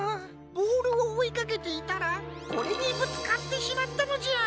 ボールをおいかけていたらこれにぶつかってしまったのじゃ。